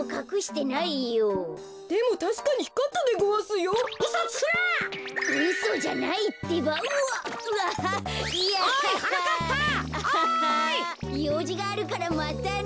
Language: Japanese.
ようじがあるからまたね。